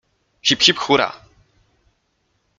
Hip, hip, hura!